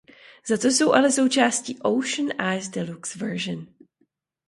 Zato jsou ale součástí "Ocean Eyes Deluxe Version".